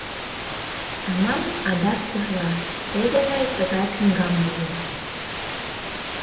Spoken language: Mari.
Саман адак пужла, теве мый тыгай книгам муым.